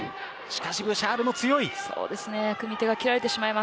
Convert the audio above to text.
しかしブシャールも強い。